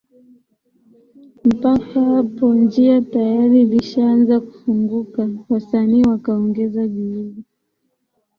Mpaka hapo njia tayari ilishaanza kufunguka wasanii wakaongeza juhudi